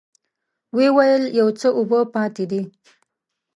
ويې ويل: يو څه اوبه پاتې دي.